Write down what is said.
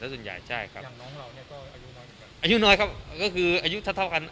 ส่วนใหญ่ใช่ครับอย่างน้องเราเนี่ยก็อายุน้อยอายุน้อยครับก็คืออายุเท่าเท่ากัน